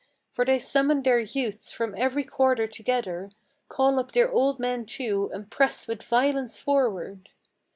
For they summon their youths from every quarter together, Call up their old men too, and press with violence forward.